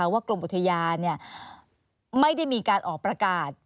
กรมอุทยานไม่ได้มีการออกประกาศ